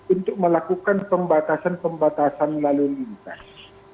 untuk melakukan pembatasan pembatasan lalu lintas